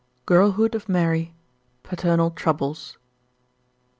GIRLHOOD OF MAEY PATERNAL TROUBLES.